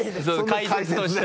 解説として。